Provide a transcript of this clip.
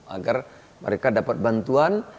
agar mereka dapat bantuan